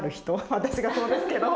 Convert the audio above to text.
私がそうですけど。